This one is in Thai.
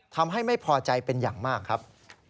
ทำให้ไม่พอใจเป็นอย่างมากครับ